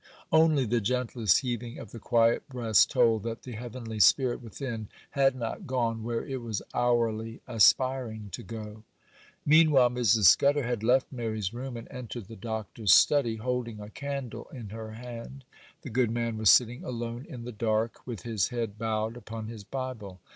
Only the gentlest heaving of the quiet breast told that the heavenly spirit within had not gone where it was hourly aspiring to go. Meanwhile Mrs. Scudder had left Mary's room, and entered the Doctor's study, holding a candle in her hand. The good man was sitting alone in the dark, with his head bowed upon his Bible.